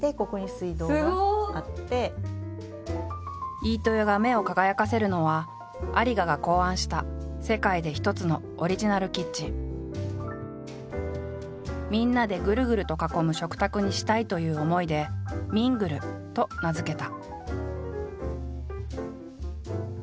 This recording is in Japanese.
飯豊が目を輝かせるのは有賀が考案した世界で一つのみんなでグルグルと囲む食卓にしたいという思いで「ミングル」と名付けた。